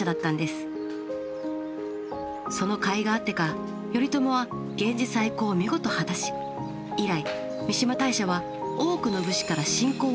そのかいがあってか頼朝は源氏再興を見事果たし以来三嶋大社は多くの武士から信仰を集めてきました。